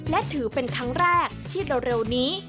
และถือเป็นครั้งแรกที่เร็วนี้